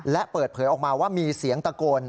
และเปิดเผยออกมาว่ามีเสียงตะโกน